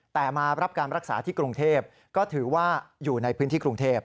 แต่มารับการรักษาที่กรุงเทพก็ถือว่าอยู่ในพื้นที่กรุงเทพ